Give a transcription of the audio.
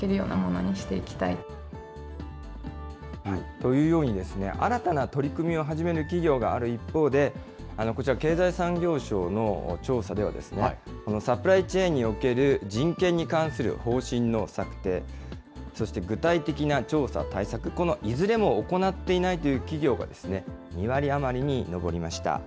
というように、新たな取り組みを始める企業がある一方で、こちら、経済産業省の調査では、サプライチェーンにおける人権に関する方針の策定、そして具体的な調査・対策、このいずれも行っていないという企業が２割余りに上りました。